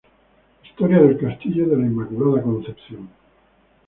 Historia del Castillo de la Inmaculada Concepción